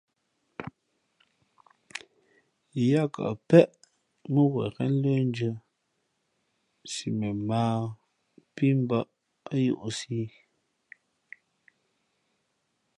Yáá kαʼ péʼ mά wen ghén lə́ndʉ̄ᾱ si mα mᾱ ā pí mbᾱ á yōʼsī ī.